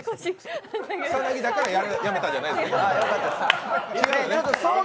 草薙だから、やめたんじゃないんですね。